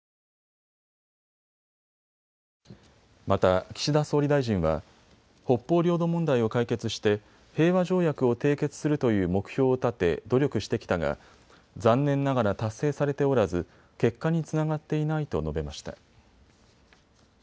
また岸田総理大臣は北方領土問題を解決して平和条約を締結するという目標を立て努力してきたが残念ながら達成されておらず結果につながっていないと述べました。